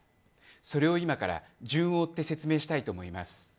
それを今から順を追って説明したいと思います。